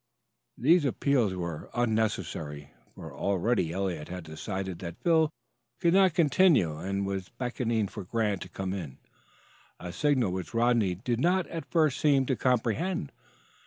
These appeals were unnecessary, for already Eliot had decided that Phil could not continue, and was beckoning for Grant to come in, a signal which Rodney did not at first seem to comprehend.